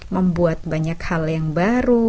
membuat banyak hal yang baru